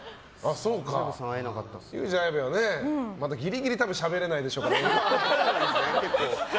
ユウジ・アヤベはまだギリギリしゃべれないでしょうから。